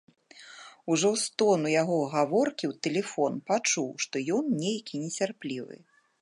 Ужо з тону яго гаворкі ў тэлефон пачуў, што ён нейкі нецярплівы.